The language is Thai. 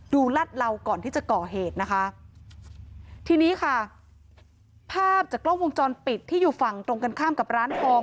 รัดเหลาก่อนที่จะก่อเหตุนะคะทีนี้ค่ะภาพจากกล้องวงจรปิดที่อยู่ฝั่งตรงกันข้ามกับร้านทอง